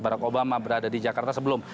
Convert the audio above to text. barack obama berada di jakarta sebelum